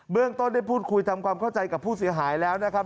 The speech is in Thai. เรื่องต้นได้พูดคุยทำความเข้าใจกับผู้เสียหายแล้วนะครับ